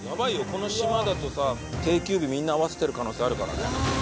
この島だとさ定休日みんな合わせてる可能性あるからね。